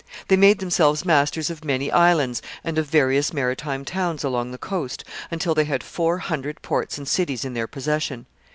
They made themselves masters of many islands and of various maritime towns along the coast, until they had four hundred ports and cities in their possession.